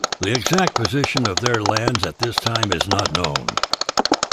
The exact position of their lands at this time is not known.